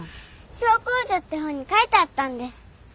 「小公女」って本に書いてあったんです。